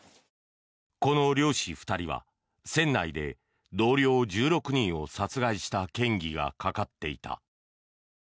この漁師２人は船内で同僚１６人を殺害した嫌疑がかかっていた。